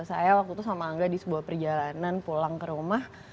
saya waktu itu sama angga di sebuah perjalanan pulang ke rumah